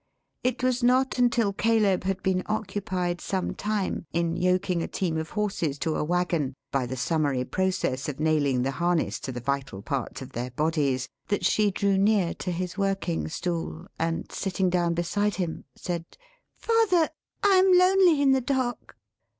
It was not until Caleb had been occupied, some time, in yoking a team of horses to a waggon by the summary process of nailing the harness to the vital parts of their bodies, that she drew near to his working stool, and sitting down beside him, said: "Father, I am lonely in the dark.